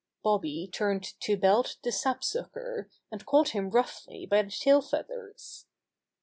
Bobby turned to Belt the Sapsucker, and caught him roughly by the tail feathers.